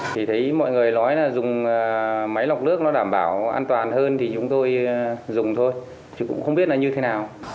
thì thấy mọi người nói là dùng máy lọc nước nó đảm bảo an toàn hơn thì chúng tôi dùng thôi chứ cũng không biết là như thế nào